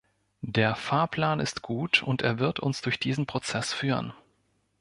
Der Fahrplan ist gut, und er wird uns durch diesen Prozess führen.